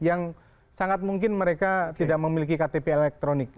yang sangat mungkin mereka tidak memiliki ktp elektronik